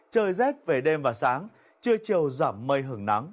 trời rét về đêm và sáng trưa chiều giảm mây hưởng nắng